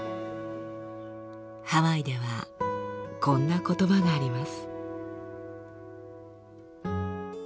ハワイではこんな言葉があります。